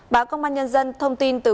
báo công an nhân dân thông tin từ